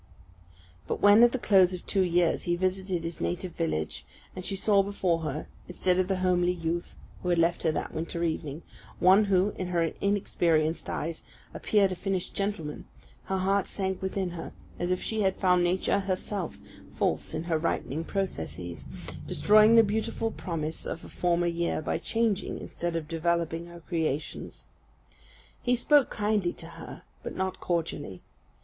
But when, at the close of two years, he visited his native village, and she saw before her, instead of the homely youth who had left her that winter evening, one who, to her inexperienced eyes, appeared a finished gentleman, her heart sank within her, as if she had found Nature herself false in her ripening processes, destroying the beautiful promise of a former year by changing instead of developing her creations. He spoke kindly to her, but not cordially.